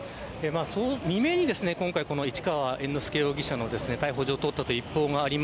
未明に、市川猿之助容疑者の逮捕状を取ったという一報があり